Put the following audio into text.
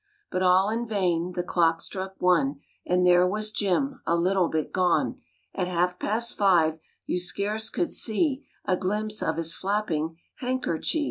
But all in vain. The clock struck one, And there was Jim A little bit gone. At half past five You scarce could see A glimpse of his flapping Handkerchee.